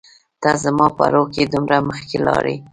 ته زما په روح کي دومره مخکي لاړ يي